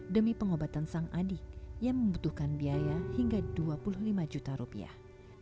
demi pengobatan sang adik yang membutuhkan biaya hingga dua puluh lima juta rupiah